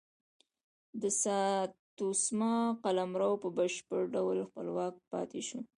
د ساتسوما قلمرو په بشپړ ډول خپلواک پاتې شو.